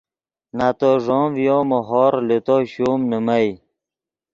نتو ݱوم ڤیو مو ہورغ لے تو شوم نیمئے